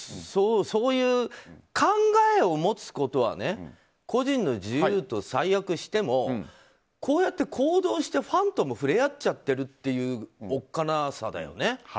そういう考えを持つことは個人の自由と最悪してもこうやって行動してファンとも触れ合っちゃってるおっかなさだよね。